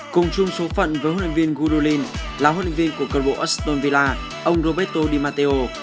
cùng chung số phận với huấn luyện viên goodwin là huấn luyện viên của cơ bộ aston villa ông roberto di matteo